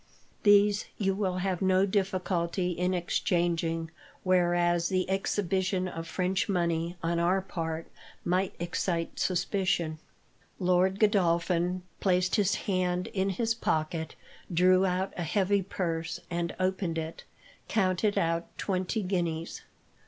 These you will have no difficulty in exchanging, whereas the exhibition of French money, on our part, might excite suspicion." Lord Godolphin placed his hand in his pocket, drew out a heavy purse, and, opening it, counted out twenty guineas.